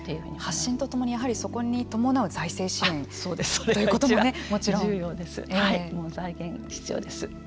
発信とともにそこに伴う財政支援ということも財源は必要です。